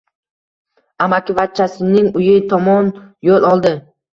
Amakivachchasining uyi tomon yoʻl oldi.